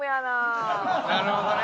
なるほどね。